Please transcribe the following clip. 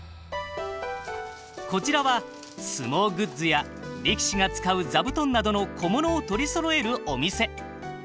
こちらは相撲グッズや力士が使う座布団などの小物を取りそろえるお店。